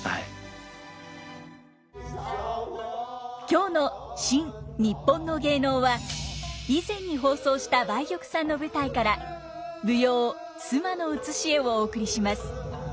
今日の「新・にっぽんの芸能」は以前に放送した梅玉さんの舞台から舞踊「須磨の写絵」をお送りします。